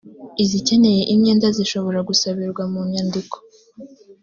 izikeneye imyenda zishobora gusabirwa mu nyandiko